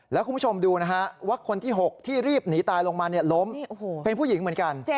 แล้วคุณผู้ชมดูนะฮะว่าคนที่๖ที่รีบหนีตายลงมาล้มเป็นผู้หญิงเหมือนกัน